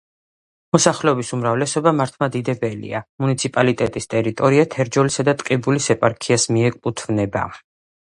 მოსახლეობის უმრავლესობა მართლმადიდებელია, მუნიციპალიტეტის ტერიტორია თერჯოლისა და ტყიბულის ეპარქიას მიეკუთვნება.